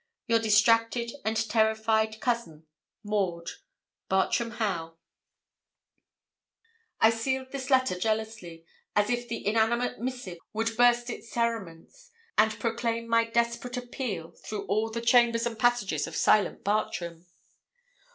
'Your distracted and terrified cousin, MAUD' 'Bartram Haugh.' I sealed this letter jealously, as if the inanimate missive would burst its cerements, and proclaim my desperate appeal through all the chambers and passages of silent Bartram.